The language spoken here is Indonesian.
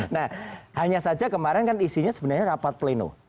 nah hanya saja kemarin kan isinya sebenarnya rapat pleno